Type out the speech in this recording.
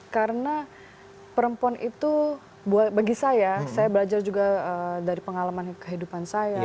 karena perempuan itu bagi saya saya belajar juga dari pengalaman kehidupan saya